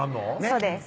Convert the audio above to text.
そうです